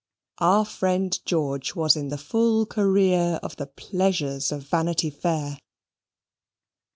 Our friend George was in the full career of the pleasures of Vanity Fair.